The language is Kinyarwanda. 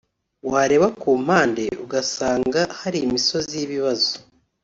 wareba ku mpande ugasanga hari imisozi y'ibibazo